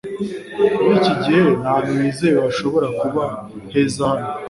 Muri iki gihe, nta hantu hizewe hashobora kuba heza hano.